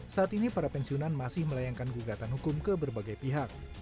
saat ini para pensiunan masih melayangkan gugatan hukum ke berbagai pihak